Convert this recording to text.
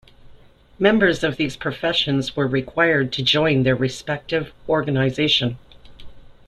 Members of these professions were required to join their respective organisation.